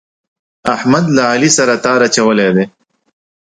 احمد له علي سره تار اچولی دی.